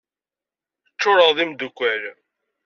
Ččureɣ d imeddukal.